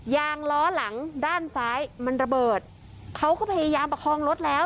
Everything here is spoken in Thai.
ยางล้อหลังด้านซ้ายมันระเบิดเขาก็พยายามประคองรถแล้ว